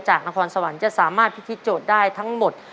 นครสวรรค์จะสามารถพิธีโจทย์ได้ทั้งหมด